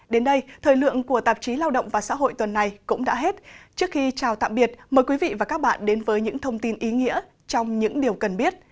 đến đây thời lượng của tạp chí lao động và xã hội tuần này cũng đã hết trước khi chào tạm biệt mời quý vị và các bạn đến với những thông tin ý nghĩa trong những điều cần biết